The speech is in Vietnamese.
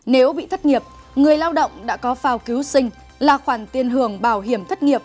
nếu bị thất nghiệp người lao động đã có phao cứu sinh là khoản tiền hưởng bảo hiểm thất nghiệp